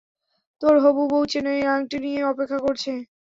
তোর হবু বউ চেন্নাইয়ে আংটি নিয়ে অপেক্ষা করছে।